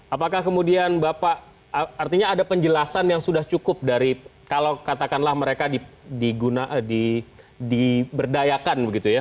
apakah kemudian bapak artinya ada penjelasan yang sudah cukup dari kalau katakanlah mereka diberdayakan begitu ya